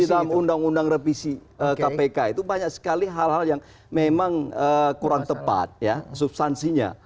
di dalam undang undang revisi kpk itu banyak sekali hal hal yang memang kurang tepat ya substansinya